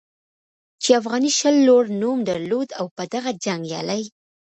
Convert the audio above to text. چې افغاني شل لوړ نوم درلود او په دغه جنګیالي